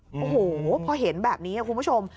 โอ้โหพอเห็นแบบนี้คุณผู้ชม